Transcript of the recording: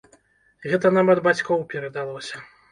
Гэта нам ад бацькоў перадалося.